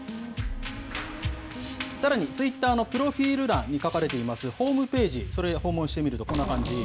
さらにツイッターのプロフィール欄に書かれていますホームページ、それを訪問してみると、こんな感じ。